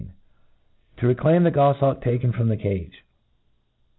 I To reclaim the Gojhawk taken from the Cage.